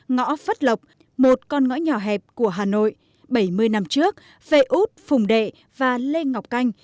ngõ phất lộc một con ngõ nhỏ hẹp của hà nội bảy mươi năm trước vệ út phùng đệ và lê ngọc canh